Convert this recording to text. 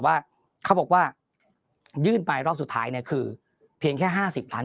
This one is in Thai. ว่าเขาบอกว่ายื่นไปรอบสุดท้ายเนี่ยคือเพียงแค่๕๐ล้าน